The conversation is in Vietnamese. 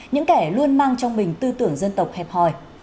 những kẻ luôn mang trong mình tư tưởng dân tộc hẹp hòi